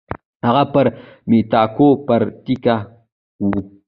هغه پر متکاوو پر تکیه وه.